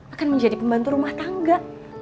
akan menjadi pembantu rumah tangga